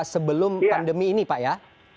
sebelum pandemi ini pak ya